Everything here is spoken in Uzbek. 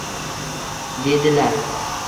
Dedilar: